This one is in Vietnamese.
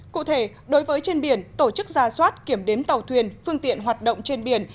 cụ thể đối với trên biển tổ chức ra soát kiểm đếm tàu thuyền phương tiện hoạt động trên biển